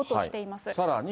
さらに。